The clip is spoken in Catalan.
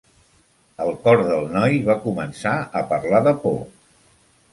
El cor del noi va començar a parlar de por.